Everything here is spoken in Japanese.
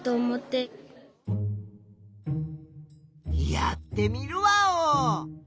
やってみるワオ！